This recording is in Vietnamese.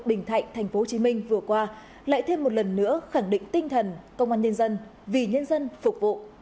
bình thạnh tp hcm vừa qua lại thêm một lần nữa khẳng định tinh thần công an nhân dân vì nhân dân phục vụ